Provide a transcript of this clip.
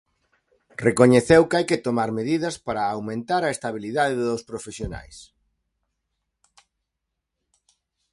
Recoñeceu que hai que tomar medidas para aumentar a estabilidade dos profesionais.